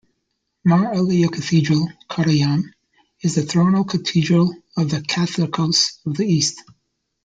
Mar Elia Cathedral, Kottayam is the Thronal Cathedral of the Catholicos of the East.